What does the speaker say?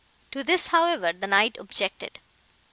"To this, however, the Knight objected.